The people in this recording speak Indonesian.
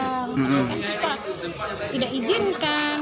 misalnya kan kita tidak izinkan